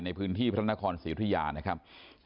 ในพื้นที่พระนครศรีอุทยานะครับ